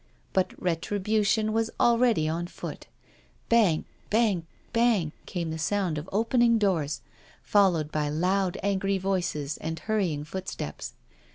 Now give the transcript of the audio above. But retribution was already on foot. Bang, bang, bang came the sound of opening doors, followed by loud, angry voices and hurrying footsteps.